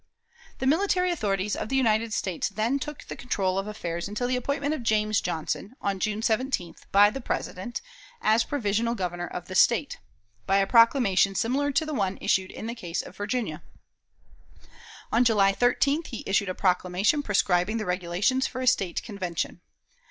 The military authorities of the United States then took the control of affairs until the appointment of James Johnson, on June 17th, by the President, as provisional Governor of the State, by a proclamation similar to the one issued in the case of Virginia. On July 13th he issued a proclamation prescribing the regulations for a State Convention.